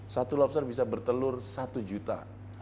satu lobster bisa bertelur satu juta